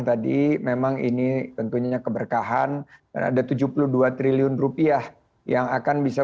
tadi memang ini tentunya keberkahan dan ada tujuh puluh dua triliun rupiah yang akan bisa